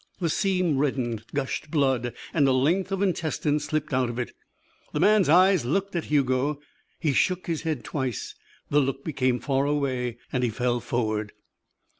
The seam reddened, gushed blood, and a length of intestine slipped out of it. The man's eyes looked at Hugo. He shook his head twice. The look became far away. He fell forward.